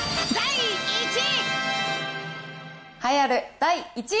第１位。